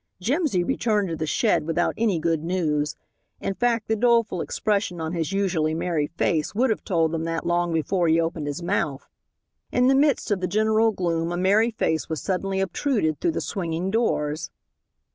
Jimsy returned to the shed without any good news. In fact, the doleful expression on his usually merry face would have told them that long before he opened his mouth. In the midst of the general gloom a merry face was suddenly obtruded through the swinging doors.